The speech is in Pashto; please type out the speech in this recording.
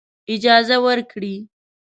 اجازه ورکړي.